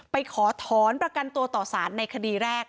ขอถอนประกันตัวต่อสารในคดีแรก